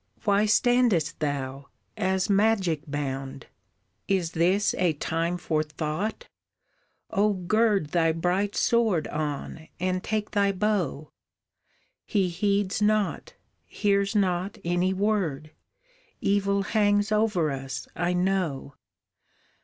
Why standest thou, as magic bound? "Is this a time for thought, oh gird Thy bright sword on, and take thy bow! He heeds not, hears not any word, Evil hangs over us, I know!